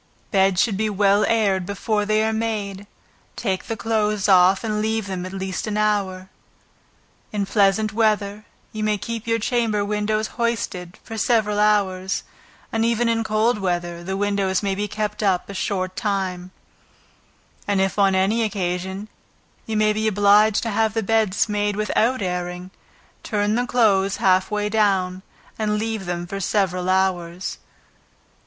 Beds should be well aired before they are made, take the clothes off, and leave them at least an hour. In pleasant weather, you may keep chamber windows hoisted, for several hours, and even in cold weather, the windows may be kept up a short time, and if on any occasion, you may be obliged to have the beds made without airing, turn the clothes half way down, and leave them for several hours.